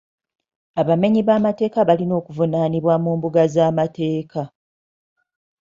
Abamenyi b'amateeka balina okuvunaanibwa mu mbuga z'amateeka.